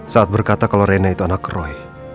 saat berkata kalau rena itu anak roy